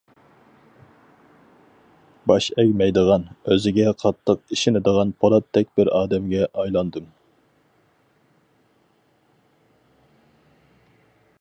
باش ئەگمەيدىغان، ئۆزىگە قاتتىق ئىشىنىدىغان پولاتتەك بىر ئادەمگە ئايلاندىم.